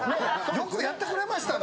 よくやってくれましたね。